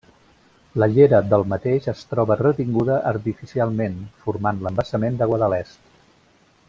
La llera del mateix es troba retinguda artificialment, formant l'Embassament de Guadalest.